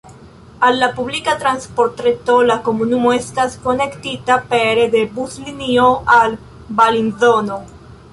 Al la publika transportreto la komunumo estas konektita pere de buslinio al Belinzono.